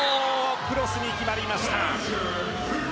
クロスに決まりました。